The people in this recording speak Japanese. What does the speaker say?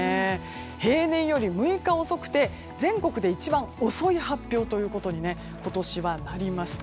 平年より６日遅くて全国で一番遅い発表ということに今年はなりました。